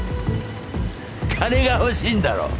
金が欲しいんだろ？